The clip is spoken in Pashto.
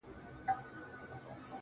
o زه خو دا يم ژوندی يم.